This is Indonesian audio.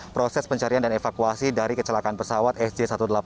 proses pencarian dan evakuasi dari kecelakaan pesawat sj satu ratus delapan puluh